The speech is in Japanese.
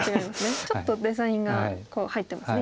ちょっとデザインが入ってますね